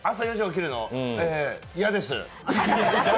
嫌です。